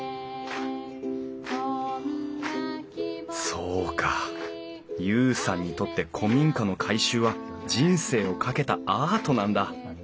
そうか裕さんにとって古民家の改修は人生をかけたアートなんだ。